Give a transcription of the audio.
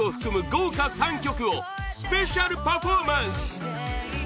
豪華３曲をスペシャルパフォーマンス！